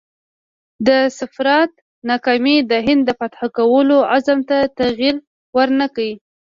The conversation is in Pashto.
د سفارت ناکامي د هند د فتح کولو عزم ته تغییر ورنه کړ.